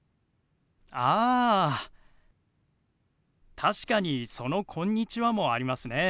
確かにその「こんにちは」もありますね。